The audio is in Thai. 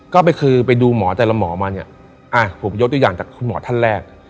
ก็คือไปดูหมอแต่ละหมอมาเนี่ยผมยกตัวอย่างจากคุณหมอท่านแรก